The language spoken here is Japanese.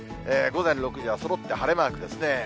午前６時は、そろって晴れマークですね。